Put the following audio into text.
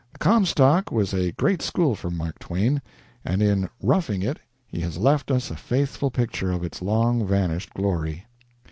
The Comstock was a great school for Mark Twain, and in "Roughing It" he has left us a faithful picture of its long vanished glory.